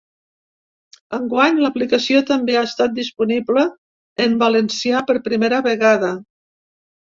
Enguany l’aplicació també ha estat disponible en valencià per primera vegada.